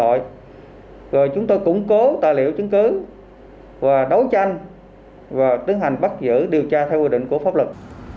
rồi chúng tôi củng cố tài liệu chứng cứ và đấu tranh và tiến hành bắt giữ điều tra theo quy định của pháp luật